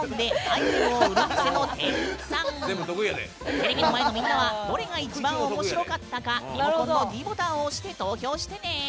テレビの前のみんなはどれが一番おもしろかったかリモコンのｄボタンを押して投票してね！